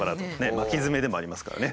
巻きヅメでもありますからね。